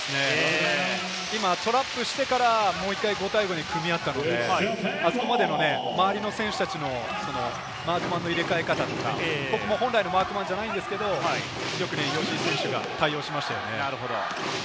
今、トラップしてからもう１回、５対５に組み合ったので、そこまで周りの選手たちのマークマンの入れ替え方とか、本来のマークマンではないんですけど、うまく吉井選手が対応しましたね。